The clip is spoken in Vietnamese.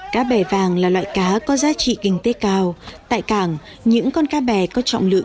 cá bè vàng là loại cá có giá trị kinh tế cao